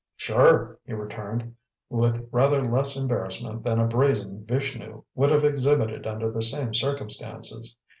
"Sure," he returned, with rather less embarrassment than a brazen Vishnu would have exhibited under the same circumstances.